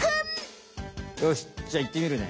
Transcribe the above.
よしじゃいってみるね。